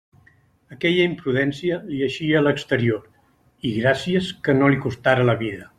Aquella imprudència li eixia a l'exterior, i gràcies que no li costara la vida.